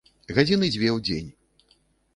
Гадзіны дзве ў дзень.